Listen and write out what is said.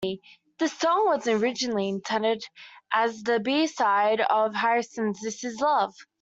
The song was originally intended as the B-side of Harrison's "This Is Love".